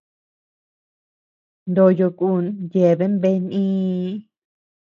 Noyo kun yeabean bea nïi.